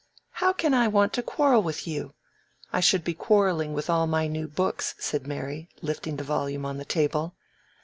"How can I want to quarrel with you? I should be quarrelling with all my new books," said Mary, lifting the volume on the table.